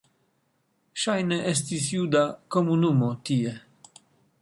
Ŝajne estis juda komunumo tie.